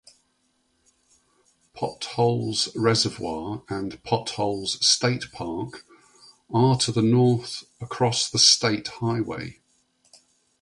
Potholes Reservoir and Potholes State Park are to the north across the state highway.